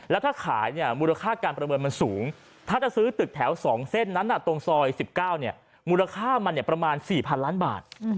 แล้วถ้าขายเนี่ยมูลค่าการประเมินมันสูงถ้าจะซื้อตึกแถว๒เส้นนั้นตรงซอย๑๙มูลค่ามันประมาณ๔๐๐๐ล้านบาท